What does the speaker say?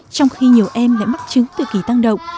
trong khi nhiều em lại mắc chứng tự kỷ tăng động